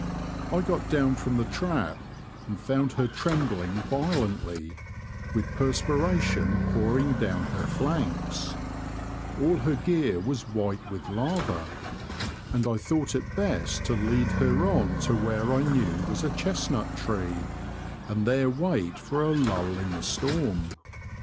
I got down from the trap and found her trembling violently, with perspiration pouring down her flanks. All her gear was white with The Confessions of a ^oache't. 87 lather, and I thought it best to lead her on to where I knew was a chestnut tree, and there wait for a lull in the storm.